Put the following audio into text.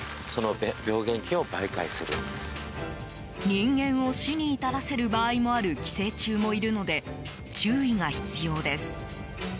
人間を死に至らせる場合もある寄生虫もいるので注意が必要です。